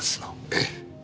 ええ。